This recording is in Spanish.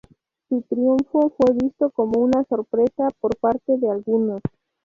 Su triunfo fue visto como una "sorpresa" por parte de algunos.